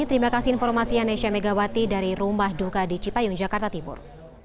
terima kasih informasi anesya megawati dari rumah duka di cipayung jakarta timur